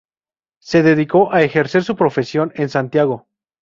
Se dedicó a ejercer su profesión en Santiago.